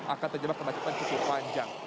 akan terjebak kemacetan cukup panjang